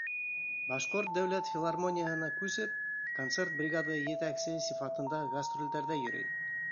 Башҡорт дәүләт филармонияһына күсеп, концерт бригадаһы етәксеһе сифатында гастролдәрҙә йөрөй.